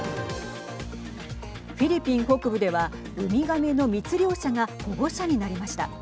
フィリピン北部では海亀の密猟者が保護者になりました。